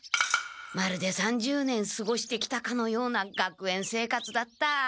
まるで３０年すごしてきたかのような学園生活だった。